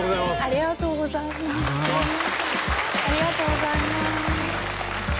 ありがとうございますいい汗。